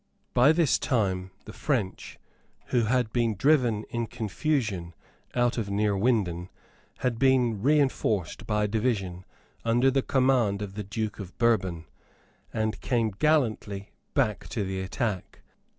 By this time the French, who had been driven in confusion out of Neerwinden, had been reinforced by a division under the command of the Duke of Bourbon, and came gallantly back to the attack.